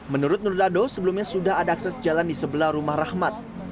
menurut nur dado sebelumnya sudah ada akses jalan di sebelah rumah rahmat